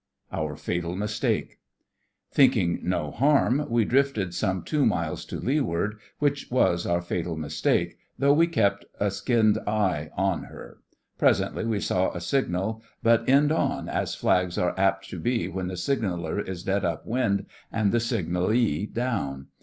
OUR FATAL MISTAKE Thinking no harm, we drifted some two miles to leeward, which was our fatal mistake, though we kept a skinned eye on her. Presently we saw a signal, but end on, as flags are apt to be when the signaller is dead up wind and the signallee down.